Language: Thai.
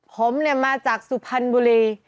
ผมเนี่ยมาจากสุพรรณบุรี